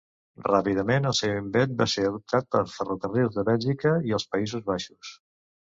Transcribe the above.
Ràpidament el seu invent va ser adoptat pels ferrocarrils de Bèlgica i els Països Baixos.